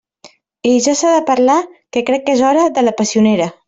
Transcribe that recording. I ja s'ha de parlar —que crec que és hora— de la passionera.